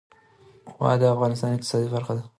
وادي د افغانستان د اقتصاد برخه ده.